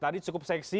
tadi cukup seksi